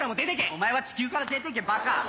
お前は地球から出てけバカ！